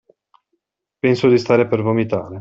Penso di stare per vomitare.